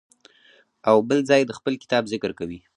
او بل ځای د خپل کتاب ذکر کوي.